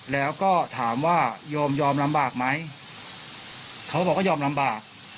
แล้วก็ถามว่าโยมยอมลำบากไหมเขาก็บอกว่ายอมลำบาก